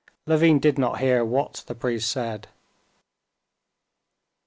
Levin did not hear what the priest said.